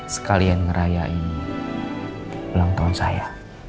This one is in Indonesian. sekalian ngerayain ulang tahun saya